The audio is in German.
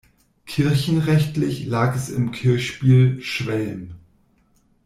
Kirchenrechtlich lag es im Kirchspiel Schwelm.